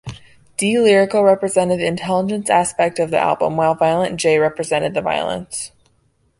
D-Lyrical represented the Intelligence aspect of the album, while Violent J represented the Violence.